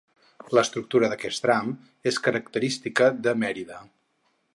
L'estructura d'aquest tram és característica de Mèrida.